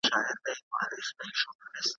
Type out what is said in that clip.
مخ پر نورو سر حدو یم